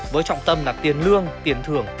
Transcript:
với trọng tâm là tiền lương tiền thưởng